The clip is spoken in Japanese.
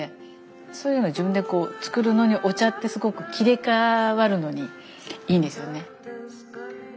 そういうの自分で作るのにお茶ってすごく切り替わるのにいいんですよね。